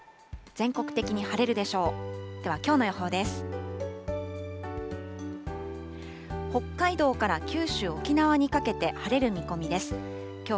全国的に晴れるでしょう。